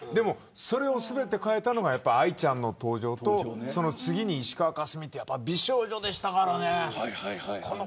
それを全て変えたのが愛ちゃんの登場とその次、石川佳純とか美少女でしたからね。